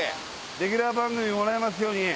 レギュラー番組もらえますように。